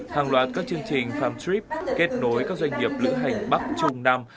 hàng loạt các chương trình farm trip kết nối các doanh nghiệp lữ hành bắc trung nam